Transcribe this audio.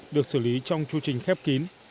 được xử lý trong chương trình khép kín